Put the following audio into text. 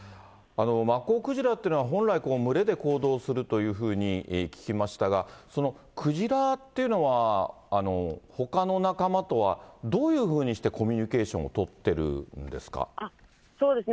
マッコウクジラというのは本来、群れで行動するというふうに聞きましたが、クジラっていうのはほかの仲間とはどういうふうにしてコミュニケーションを取っているんですか。